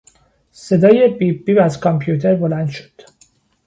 صدای بیب بیب از کامپیوتر بلند شد.